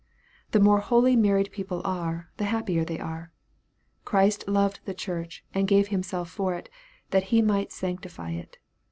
The more holy married people are, the happier they are. " Christ loved the church, and gave Himself for it, that He might sanctify it."